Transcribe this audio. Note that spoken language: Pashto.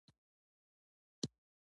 که زمینه ورته برابره شي.